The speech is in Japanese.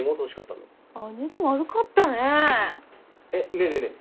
ねえねえねえ